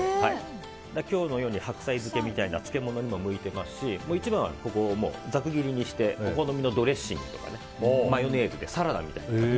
今日のように白菜漬けみたいな漬物にも向いていますし一番は、ざく切りにしてお好みのドレッシングとかマヨネーズでサラダみたいに。